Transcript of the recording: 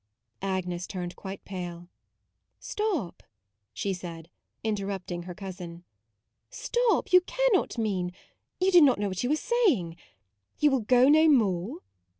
Agnes turned quite pale: " Stop," she said, interrupting her cousin: " Stop ; you cannot mean you do not know what you are saying. You will go no more?